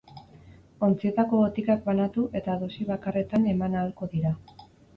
Ontzietako botikak banatu eta dosi bakarretan eman ahalko dira.